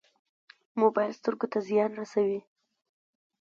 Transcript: موبایل سترګو ته زیان رسوي